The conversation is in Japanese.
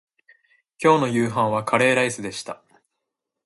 今日の夕飯はカレーライスでした